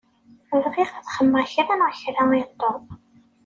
Bɣiɣ ad xedmeɣ kra neɣ kra i Tom.